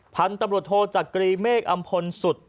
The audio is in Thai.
พันธุ์ตำรวจโทจักรีเมฆอำพลสุด